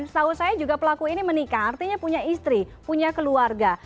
setahu saya juga pelaku ini menikah artinya punya istri punya keluarga